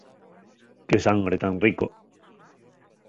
¡Qué sangre tan rico!